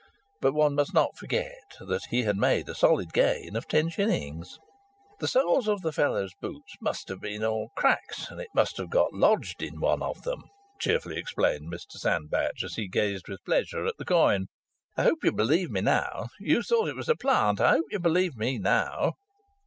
But one must not forget that he had made a solid gain of ten shillings. "The soles of the fellow's boots must have been all cracks, and it must have got lodged in one of them," cheerfully explained Mr Sandbach as he gazed with pleasure at the coin. "I hope you believe me now. You thought it was a plant. I hope you believe me now."